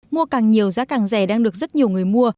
mua càng nhiều giá càng rẻ đang được rất nhiều người mua